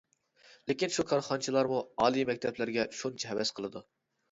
لېكىن شۇ كارخانىچىلارمۇ ئالىي مەكتەپلەرگە شۇنچە ھەۋەس قىلىدۇ.